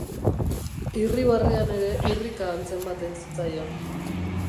Irribarrean ere irrika antzematen zitzaion.